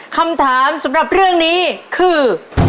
คำถามสำหรับเรื่องนี้คือ